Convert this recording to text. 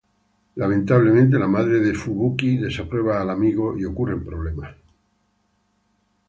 Lamentablemente la madre de Fubuki desaprueba al amigo y ocurren problemas.